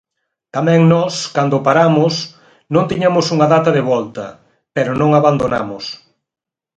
Tamén nós, cando paramos, non tiñamos unha data de volta, pero non abandonamos.